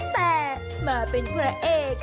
แต่มาเป็นพระเอก